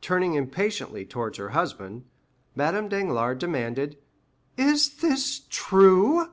Turning impatiently towards her husband, Madame Danglars demanded, "Is this true?"